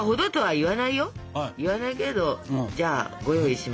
言わないけれどじゃあご用意しましょうか。